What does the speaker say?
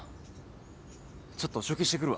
ちょっとお仕置きしてくるわ。